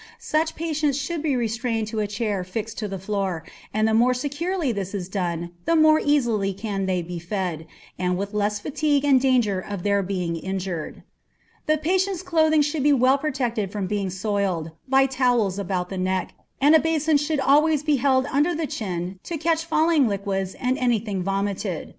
Such patients should be restrained to a chair fixed to the floor, and the more securely this is done the more easily can they be fed, and with less fatigue and danger of their being injured. The patient's clothing should be well protected from being soiled, by towels about the neck, and a basin should always be held under the chin to catch falling liquids and any thing vomited.